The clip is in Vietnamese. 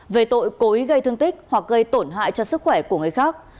về tội cố ý gây thương tích hoặc gây tổn hại cho sức khỏe của người khác